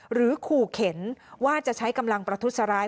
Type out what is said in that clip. หรือขู่เข็นว่าจะใช้กำลังประทุษร้าย